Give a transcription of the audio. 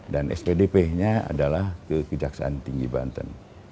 dan spdp nya adalah kejaksaan tinggi banten